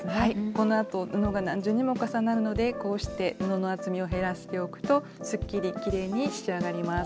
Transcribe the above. このあと布が何重にも重なるのでこうして布の厚みを減らしておくとすっきりきれいに仕上がります。